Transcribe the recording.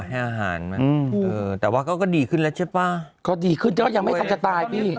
พี่สุนในโลหะเนี่ยเขาก็ดีขึ้นแล้วใช่ปะก็ดีขึ้นพี่สุนจนยังไม่ค่อยจะตายพี่